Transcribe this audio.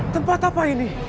tempat apa ini